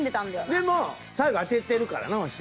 でも最後当ててるからなワシ。